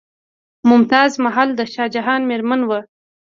ممتاز محل د شاه جهان میرمن وه.